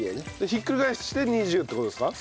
ひっくり返して２０って事ですか？